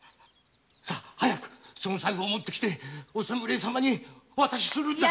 さ早くその財布を持ってきてお侍様にお渡しするんだ。